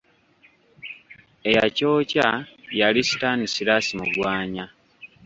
Eyakyokya yali Stanslas Mugwanya.